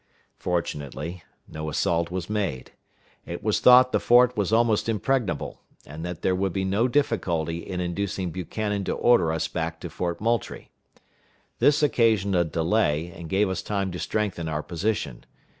Fortunately no assault was made. It was thought the fort was almost impregnable, and that there would be no difficulty in inducing Buchanan to order us back to Fort Moultrie. This occasioned a delay, and gave us time to strengthen our position.